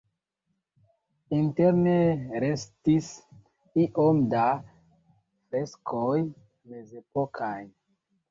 Interne restis iom da freskoj mezepokaj.